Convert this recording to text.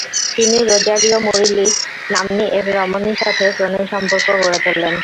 তিনি Rosario Murillo নাম্নী এক রমণীর সাথে প্রণয় সম্পর্ক গড়ে তোলেন।